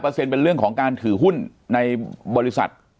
เป็นเรื่องของการถือหุ้นในบริษัท